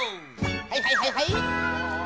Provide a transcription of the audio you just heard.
はいはいはいはい。